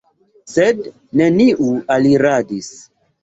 Sed neniu aliradis.